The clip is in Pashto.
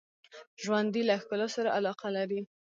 ژوندي له ښکلا سره علاقه لري